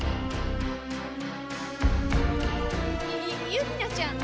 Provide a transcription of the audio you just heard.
ゆゆりなちゃん